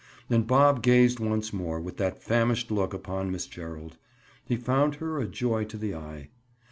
And Bob gazed once more with that famished look upon Miss Gerald. He found her a joy to the eye.